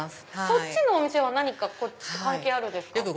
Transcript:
そっちのお店はこっちと関係あるんですか？